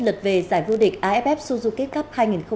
lật về giải vua địch aff suzuki cup hai nghìn một mươi tám